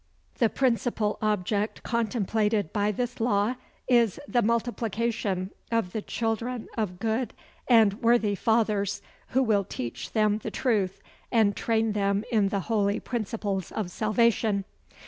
The principal object contemplated by this law, is the multiplication of the children of good and worthy fathers, who will teach them the truth, and train them in the holy principles of salvation.